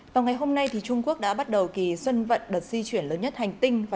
vào ngày hôm nay trung quốc đã bắt đầu kỳ xuân vận đợt di chuyển lớn nhất hành tinh